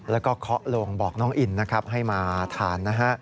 แล้วก็เคาะโลงบอกน้องอินให้มาทาน